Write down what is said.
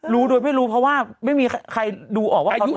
รู้โดยไม่รู้เพราะว่าไม่มีใครดูออกว่าอายุ